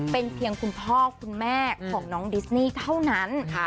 เป็นเพียงคุณพ่อคุณแม่ของน้องดิสนี่เท่านั้น